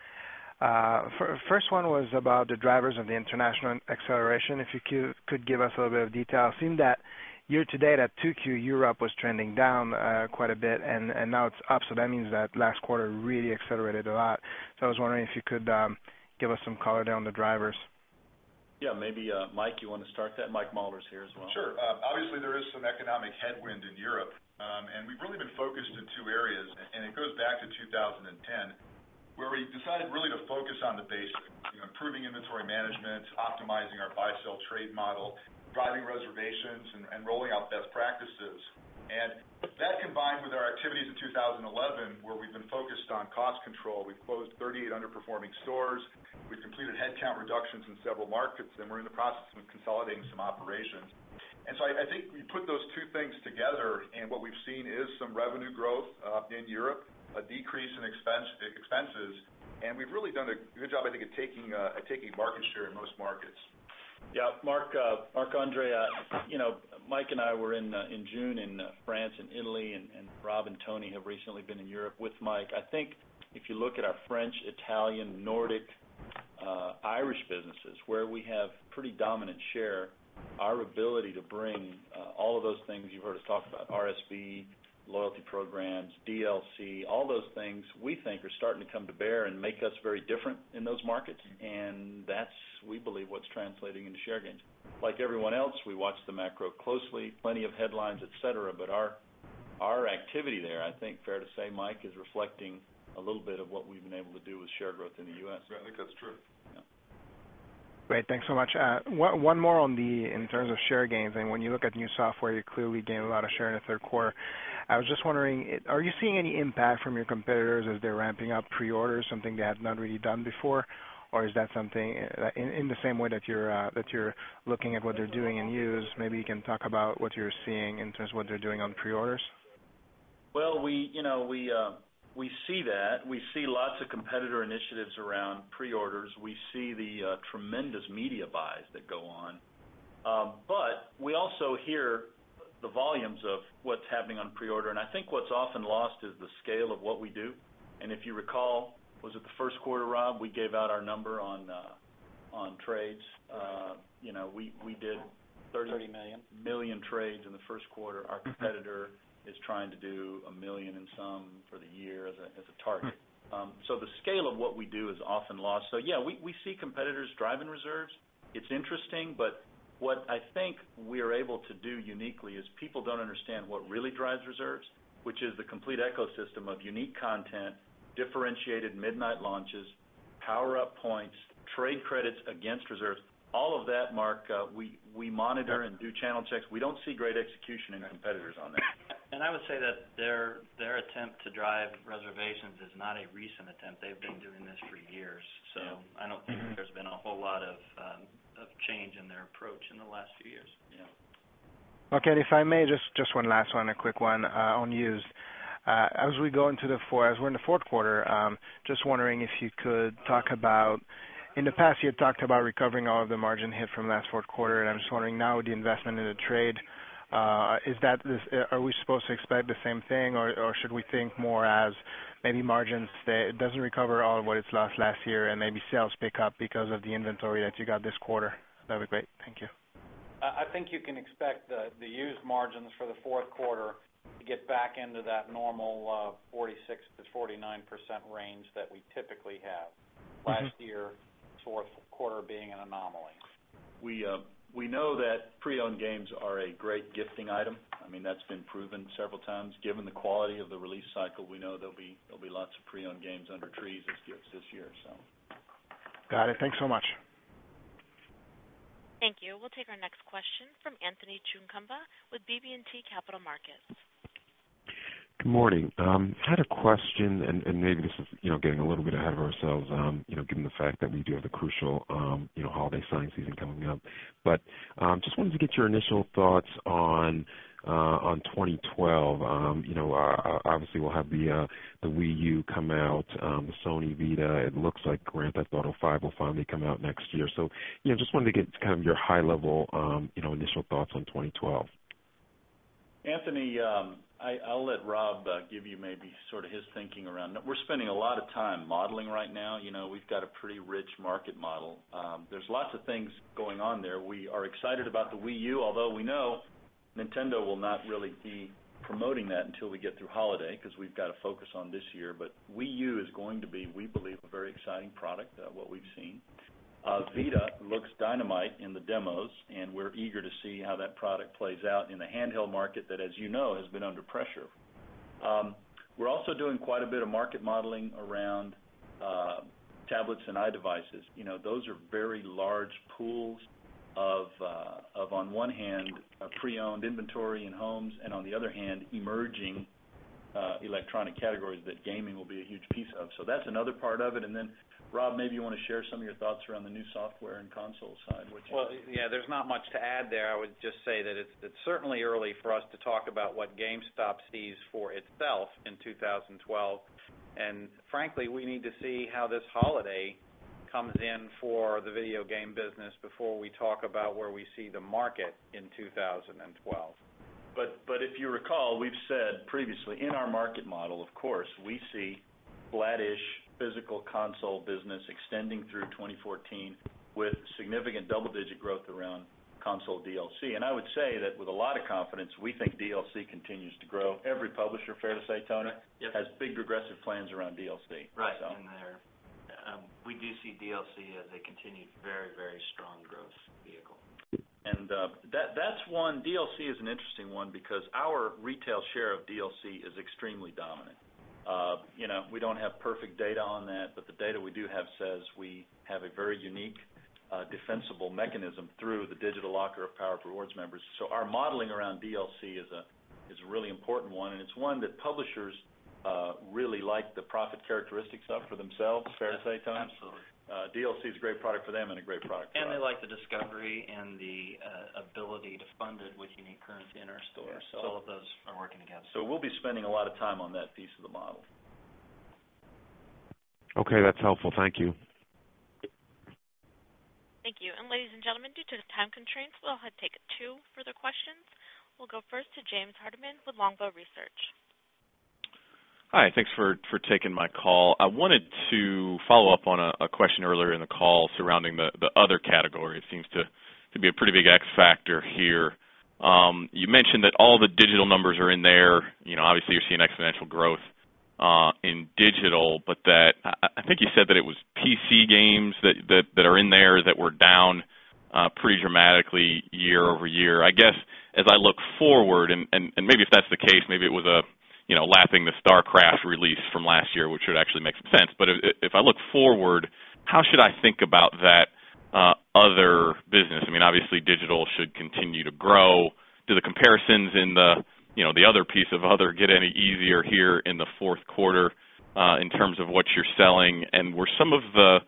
First one was about the drivers of the international acceleration. If you could give us a little bit of detail, it seemed that year to date at Q2, Europe was trending down quite a bit and now it's up. That means that last quarter really accelerated a lot. I was wondering if you could give us some color on the drivers. Yeah, maybe Mike, you want to start that? Mike Mauler's here as well. Sure. Obviously, there is some economic headwind in Europe, and we've really been focused in two areas, and it goes back to 2010. We already decided really to focus on the basics, improving inventory management, optimizing our buy-sell-trade model, driving reservations, and rolling out best practices. That, combined with our activities in 2011 where we've been focused on cost control, we've closed 38 underperforming stores, we've completed headcount reductions in several markets, and we're in the process of consolidating some operations. I think we put those two things together, and what we've seen is some revenue growth in Europe, a decrease in expenses, and we've really done a good job, I think, at taking market share in most markets. Yeah, Marc-André, you know, Mike and I were in June in France and Italy, and Rob and Tony have recently been in Europe with Mike. I think if you look at our French, Italian, Nordic, Irish businesses where we have pretty dominant share, our ability to bring all of those things you've heard us talk about, RSV, loyalty programs, DLC, all those things we think are starting to come to bear and make us very different in those markets. That's, we believe, what's translating into share gains. Like everyone else, we watch the macro closely, plenty of headlines, etc., but our activity there, I think, fair to say, Mike, is reflecting a little bit of what we've been able to do with share growth in the U.S. I think that's true. Yeah. Great, thanks so much. One more, in terms of share gains, when you look at new software, you clearly gain a lot of share in the third quarter. I was just wondering, are you seeing any impact from your competitors as they're ramping up pre-orders, something they have not really done before, or is that something in the same way that you're looking at what they're doing in use? Maybe you can talk about what you're seeing in terms of what they're doing on pre-orders? You know, we see that. We see lots of competitor initiatives around pre-orders. We see the tremendous media buys that go on. We also hear the volumes of what's happening on pre-order, and I think what's often lost is the scale of what we do. If you recall, was it the first quarter, Rob, we gave out our number on trades. You know, we did 30 million trades in the first quarter. Our competitor is trying to do a million and some for the year as a target. The scale of what we do is often lost. Yeah, we see competitors driving reserves. It's interesting, but what I think we are able to do uniquely is people don't understand what really drives reserves, which is the complete ecosystem of unique content, differentiated midnight launches, PowerUp points, trade credits against reserves. All of that, Mark, we monitor and do channel checks. We don't see great execution in competitors on that. I would say that their attempt to drive reservations is not a recent attempt. They've been doing this for years. I don't think there's been a whole lot of change in their approach in the last few years. Yeah. Okay, and if I may, just one last one, a quick one on use. As we go into the fourth, as we're in the fourth quarter, just wondering if you could talk about, in the past, you had talked about recovering all of the margin hit from last fourth quarter. I'm just wondering now with the investment in the trade, are we supposed to expect the same thing or should we think more as maybe margins doesn't recover all of what it's lost last year and maybe sales pick up because of the inventory that you got this quarter? That'd be great. Thank you. I think you can expect the used margins for the fourth quarter to get back into that normal 46%-49% range that we typically have, last year fourth quarter being an anomaly. We know that pre-owned games are a great gifting item. I mean, that's been proven several times. Given the quality of the release cycle, we know there'll be lots of pre-owned games under trees this year. Got it. Thanks so much. Thank you. We'll take our next question from Anthony Chukumba with BB&T Capital Markets. Good morning. I had a question, and maybe this is getting a little bit ahead of ourselves, given the fact that we do have a crucial holiday sign season coming up. I just wanted to get your initial thoughts on 2012. Obviously, we'll have the Wii U come out, the Sony Vita. It looks like Grand Theft Auto V will finally come out next year. I just wanted to get kind of your high-level initial thoughts on 2012. Anthony, I'll let Rob give you maybe sort of his thinking around. We're spending a lot of time modeling right now. We've got a pretty rich market model. There's lots of things going on there. We are excited about the Wii U, although we know Nintendo will not really be promoting that until we get through holiday because we've got to focus on this year. Wii U is going to be, we believe, a very exciting product from what we've seen. Vita looks dynamite in the demos, and we're eager to see how that product plays out in the handheld market that, as you know, has been under pressure. We're also doing quite a bit of market modeling around tablets and iDevices. Those are very large pools of, on one hand, pre-owned inventory in homes, and on the other hand, emerging electronic categories that gaming will be a huge piece of. That's another part of it. Rob, maybe you want to share some of your thoughts around the new software and console side. There is not much to add there. I would just say that it's certainly early for us to talk about what GameStop sees for itself in 2012. Frankly, we need to see how this holiday comes in for the video game business before we talk about where we see the market in 2012. If you recall, we've said previously in our market model, of course, we see flat-ish physical console business extending through 2014 with significant double-digit growth around console DLC. I would say that with a lot of confidence, we think DLC continues to grow. Every publisher, fair to say, Tony, has big progressive plans around DLC. Right, we do see DLC as a continued very, very strong growth vehicle. DLC is an interesting one because our retail share of DLC is extremely dominant. We don't have perfect data on that, but the data we do have says we have a very unique, defensible mechanism through the digital locker of PowerUp Rewards members. Our modeling around DLC is a really important one, and it's one that publishers really like the profit characteristics of for themselves, fair to say, Tony. Absolutely. DLC is a great product for them and a great product for us. They like the discovery and the ability to fund it with unique currency in our store. All of those are working together. We will be spending a lot of time on that piece of the model. Okay, that's helpful. Thank you. Thank you. Ladies and gentlemen, due to the time constraints, we'll take two further questions. We'll go first to James Hardiman with Longbow Research. Hi, thanks for taking my call. I wanted to follow up on a question earlier in the call surrounding the other category. It seems to be a pretty big X factor here. You mentioned that all the digital numbers are in there. Obviously, you're seeing exponential growth in digital, but I think you said that it was PC games that are in there that were down pretty dramatically year over year. I guess as I look forward, and maybe if that's the case, maybe it was lapping the StarCraft release from last year, which would actually make some sense. If I look forward, how should I think about that other business? Obviously, digital should continue to grow. Do the comparisons in the other piece of other get any easier here in the fourth quarter in terms of what you're selling? Were some of the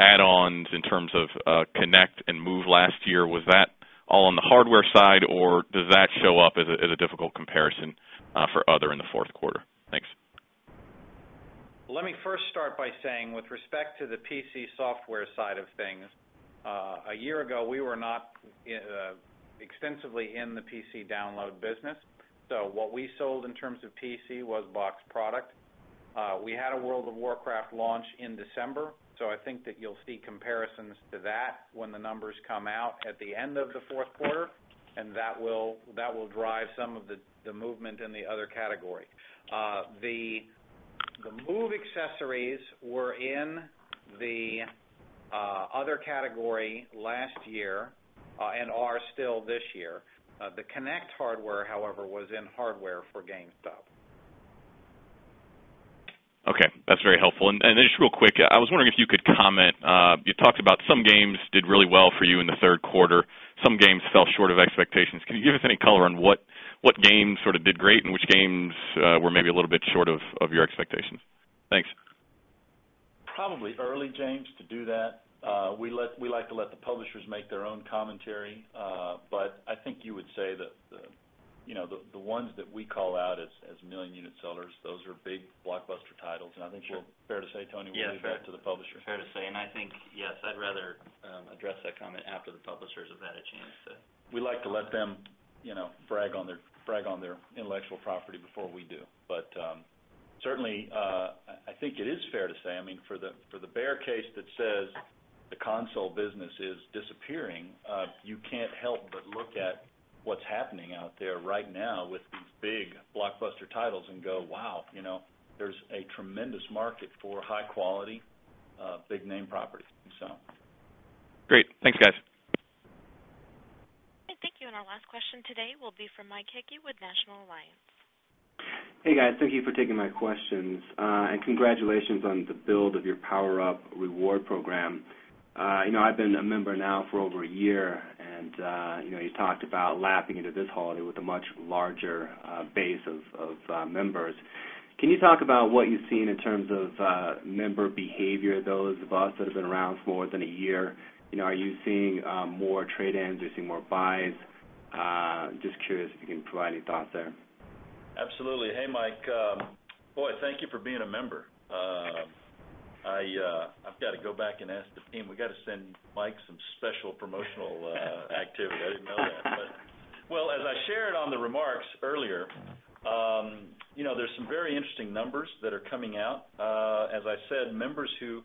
add-ons in terms of Kinect and Move last year, was that all on the hardware side, or does that show up as a difficult comparison for other in the fourth quarter? Thanks. Let me first start by saying with respect to the PC software side of things, a year ago, we were not extensively in the PC download business. What we sold in terms of PC was box product. We had a World of Warcraft launch in December. I think that you'll see comparisons to that when the numbers come out at the end of the fourth quarter, and that will drive some of the movement in the other category. The Move accessories were in the other category last year and are still this year. The Kinect hardware, however, was in hardware for GameStop. Okay, that's very helpful. Just real quick, I was wondering if you could comment. You talked about some games did really well for you in the third quarter. Some games fell short of expectations. Can you give us any color on what games sort of did great and which games were maybe a little bit short of your expectations? Thanks. Probably early, James, to do that. We like to let the publishers make their own commentary, but I think you would say that, you know, the ones that we call out as million unit sellers, those are big blockbuster titles. I think we'll, fair to say, Tony, we'll leave that to the publishers. Fair to say. I think, yes, I'd rather address that comment after the publishers have had a chance. We like to let them, you know, brag on their intellectual property before we do. Certainly, I think it is fair to say, I mean, for the bear case that says the console business is disappearing, you can't help but look at what's happening out there right now with these big blockbuster titles and go, wow, you know, there's a tremendous market for high quality, big name properties. Great, thanks guys. Thank you. Our last question today will be from Mike Hickey with National Alliance. Hey guys, thank you for taking my questions and congratulations on the build of your PowerUp Rewards program. I've been a member now for over a year and you talked about lapping into this holiday with a much larger base of members. Can you talk about what you've seen in terms of member behavior, those of us that have been around for more than a year? Are you seeing more trade-ins? Are you seeing more buys? Just curious if you can provide any thoughts there. Absolutely. Hey Mike, thank you for being a member. I've got to go back and ask the team, we got to send Mike some special promotional activity. I didn't know that. As I shared on the remarks earlier, there are some very interesting numbers that are coming out. As I said, members who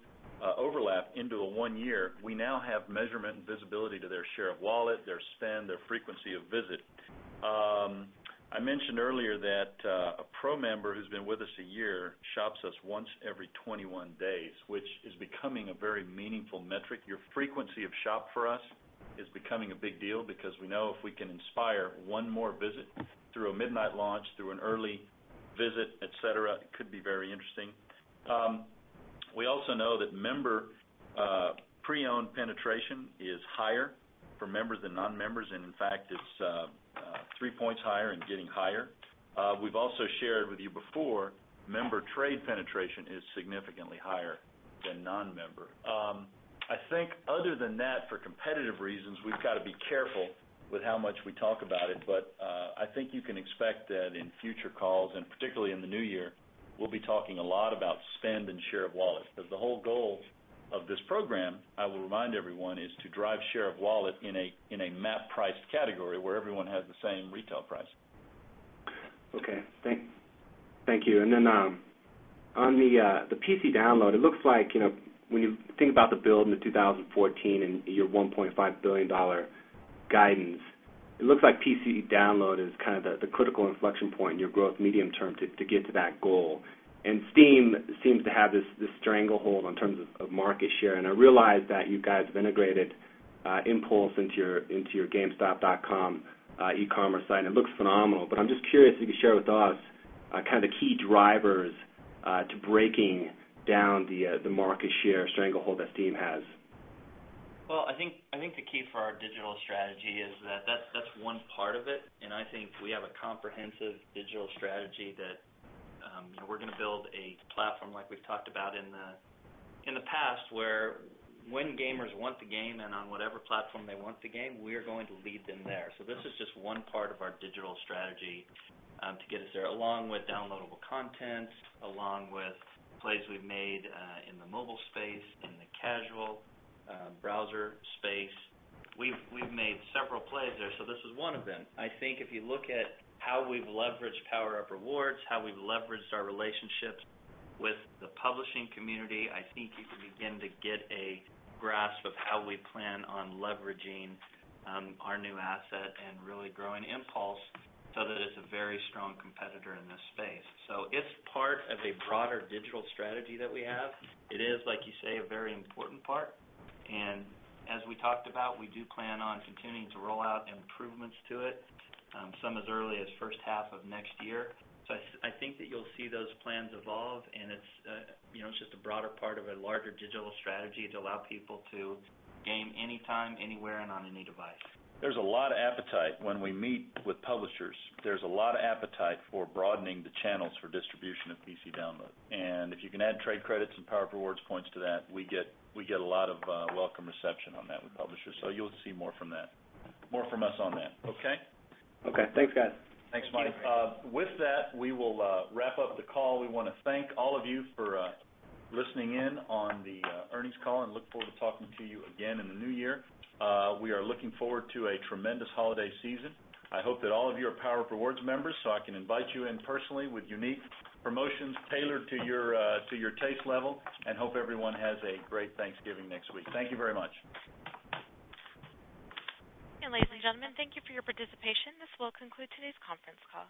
overlap into a one year, we now have measurement and visibility to their share of wallet, their spend, their frequency of visit. I mentioned earlier that a Pro member who's been with us a year shops us once every 21 days, which is becoming a very meaningful metric. Your frequency of shop for us is becoming a big deal because we know if we can inspire one more visit through a midnight launch, through an early visit, etc., it could be very interesting. We also know that member pre-owned penetration is higher for members than non-members, and in fact, it's three points higher and getting higher. We've also shared with you before, member trade penetration is significantly higher than non-member. I think other than that, for competitive reasons, we've got to be careful with how much we talk about it, but I think you can expect that in future calls, and particularly in the new year, we'll be talking a lot about spend and share of wallets. The whole goal of this program, I will remind everyone, is to drive share of wallet in a MAP-priced category where everyone has the same retail price. Okay, thank you. On the PC download, it looks like, you know, when you think about the build in 2014 and your $1.5 billion guidance, it looks like PC download is kind of the critical inflection point in your growth medium term to get to that goal. Steam seems to have this stranglehold in terms of market share, and I realize that you guys have integrated Impulse into your GameStop.com e-commerce site, and it looks phenomenal. I'm just curious if you could share with us kind of the key drivers to breaking down the market share stranglehold that Steam has. I think the key for our digital strategy is that that's one part of it, and I think we have a comprehensive digital strategy that we're going to build a platform like we've talked about in the past where when gamers want the game and on whatever platform they want the game, we're going to lead them there. This is just one part of our digital strategy to get us there, along with downloadable content, along with plays we've made in the mobile space, in the casual browser space. We've made several plays there, so this was one of them. If you look at how we've leveraged PowerUp Rewards, how we've leveraged our relationships with the publishing community, I think you can begin to get a grasp of how we plan on leveraging our new asset and really growing Impulse so that it's a very strong competitor in this space. It's part of a broader digital strategy that we have. It is, like you say, a very important part, and as we talked about, we do plan on continuing to roll out improvements to it, some as early as first half of next year. I think that you'll see those plans evolve, and it's just a broader part of a larger digital strategy to allow people to game anytime, anywhere, and on any device. There's a lot of appetite when we meet with publishers. There's a lot of appetite for broadening the channels for distribution of PC download. If you can add trade credits and PowerUp Rewards points to that, we get a lot of welcome reception on that with publishers. You'll see more from us on that. Okay, thanks guys. Thanks, Mike. With that, we will wrap up the call. We want to thank all of you for listening in on the earnings call and look forward to talking to you again in the new year. We are looking forward to a tremendous holiday season. I hope that all of you are PowerUp Rewards members, so I can invite you in personally with unique promotions tailored to your taste level and hope everyone has a great Thanksgiving next week. Thank you very much. Thank you for your participation. This will conclude today's conference call.